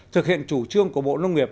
thực hiện chủ trương của bộ nông nghiệp